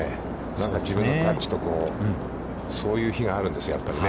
なんか、自分のタッチとそういう日があるんですよ、やっぱりね。